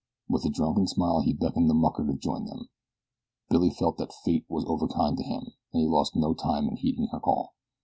With a drunken smile he beckoned to the mucker to join them. Billy felt that Fate was overkind to him, and he lost no time in heeding her call.